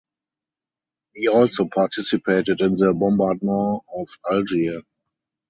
He also participated in the Bombardment of Algiers.